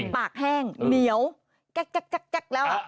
ปากแห้งเหนียวแก๊กแล้ว